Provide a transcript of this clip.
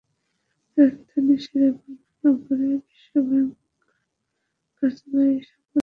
রাজধানীর শেরেবাংলা নগরে বিশ্বব্যাংক কার্যালয়ে এই সংবাদ সম্মেলন হয়।